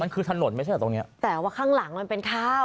มันคือถนนไม่ใช่เหรอตรงเนี้ยแต่ว่าข้างหลังมันเป็นข้าว